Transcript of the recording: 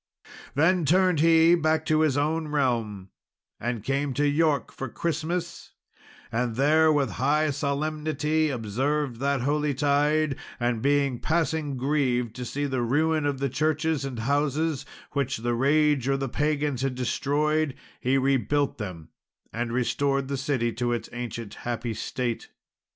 Then turned he back to his own realm, and came to York for Christmas, and there with high solemnity observed that holy tide; and being passing grieved to see the ruin of the churches and houses, which the rage or the pagans had destroyed, he rebuilt them, and restored the city to its ancient happy state.